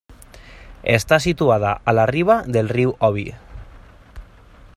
Està situada a la riba del riu Obi.